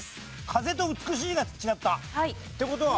「風」と「美しい」が違った。って事は。